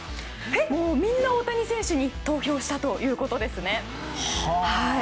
もうみんな大谷選手に投票したということですね。